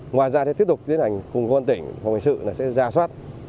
ngoài ra tiếp tục tiến hành cùng công an tỉnh phòng hành sự sẽ ra soát